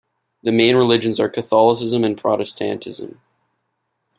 The main religions are Catholicism and Protestantism.